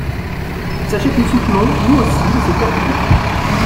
Sachez que nous soutenons, nous aussi, le secteur public.